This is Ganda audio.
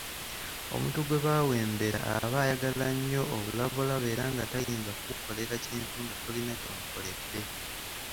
Omuntu gwe bawembera aba ayagala nnyo obulabolabo era nga tayinza kukukolera kintu nga tolina ky'omukoledde.